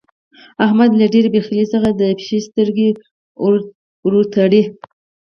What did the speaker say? احمد له ډېرې بخيلۍ څخه د پيشي سترګې ور تړي.